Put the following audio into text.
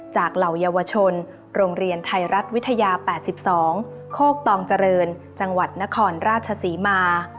เหล่าเยาวชนโรงเรียนไทยรัฐวิทยา๘๒โคกตองเจริญจังหวัดนครราชศรีมา